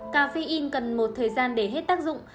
caffein cần một thời gian để hết tác dụng